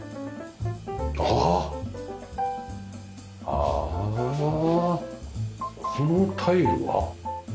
ああこのタイルは？